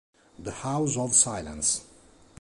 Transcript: The House of Silence